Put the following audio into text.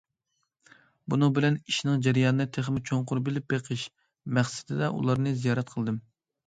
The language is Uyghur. بۇنىڭ بىلەن ئىشنىڭ جەريانىنى تېخىمۇ چوڭقۇر بىلىپ بېقىش مەقسىتىدە ئۇلارنى زىيارەت قىلدىم.